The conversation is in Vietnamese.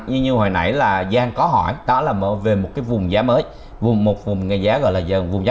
như hồi nãy là giang có hỏi đó là về một cái vùng giá mới vùng một vùng cái giá gọi là vùng giá